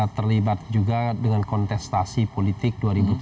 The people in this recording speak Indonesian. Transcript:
terlibat juga dengan kontestasi politik dua ribu tujuh belas